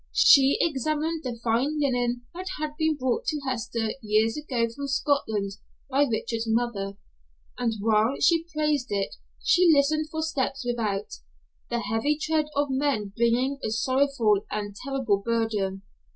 She examined the fine linen that had been brought to Hester years ago from Scotland by Richard's mother, and while she praised it she listened for steps without; the heavy tread of men bringing a sorrowful and terrible burden.